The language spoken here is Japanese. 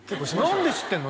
何で知ってんの？